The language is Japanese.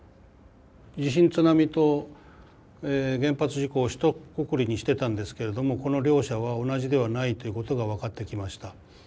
地震・津波と原発事故をひとくくりにしてたんですけれどもこの両者は同じではないということが分かってきました。